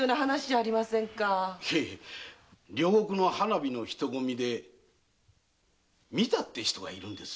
両国の花火の人混みで見たって人がいるんです。